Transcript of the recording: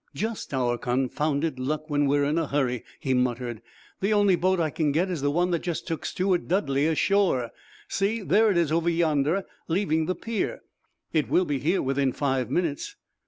"Just our confounded luck when we're in a hurry," he muttered. "The only boat I can get is the one that just took Steward Dudley ashore. See, there it is over yonder, leaving the pier. It will be here within five minutes."